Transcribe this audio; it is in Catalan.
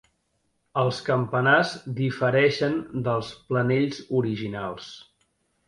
Els campanars difereixen dels planells originals.